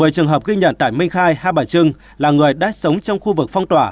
một mươi trường hợp ghi nhận tại minh khai hai bà trưng là người đã sống trong khu vực phong tỏa